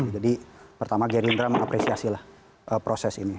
jadi pertama gerindra mengapresiasi proses ini